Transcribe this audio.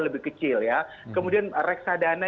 lebih kecil ya kemudian reksadana